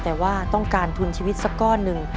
แต่ว่าต้องการทุนชีวิตสักก้อนหนึ่ง